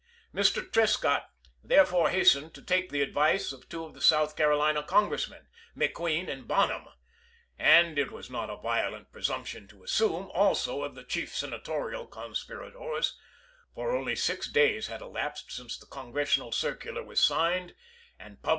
Mr. Trescott therefore hastened to take the advice of two of the South Carolina Congressmen, — Mc Queen and Bonham, — and it is not a violent pre sumption to assume, also of the chief Senatorial conspirators; for only six days had elapsed since Journal," 1861, p. 170. SOUTH CAKOLINA SECESSION rt the Congressional circular was signed and pub chap.